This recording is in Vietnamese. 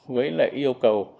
với lại yêu cầu